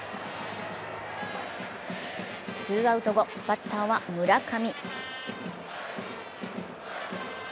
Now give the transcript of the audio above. ツーアウト後、バッターは村上。